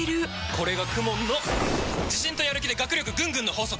これがＫＵＭＯＮの自信とやる気で学力ぐんぐんの法則！